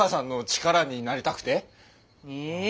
ええ？